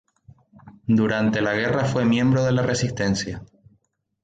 Durante la guerra fue miembro de la resistencia.